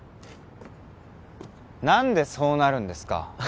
何でそうなるんですか？